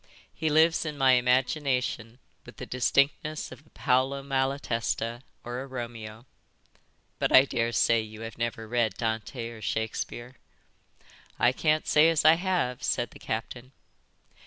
He lives in my imagination with the distinctness of a Paolo Malatesta or a Romeo. But I daresay you have never read Dante or Shakespeare?" "I can't say as I have," said the captain.